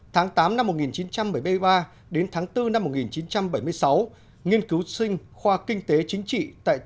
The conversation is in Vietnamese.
tháng tám năm một nghìn chín trăm bảy mươi ba đến tháng bốn năm một nghìn chín trăm bảy mươi sáu nghiên cứu sinh khoa kinh tế chính trị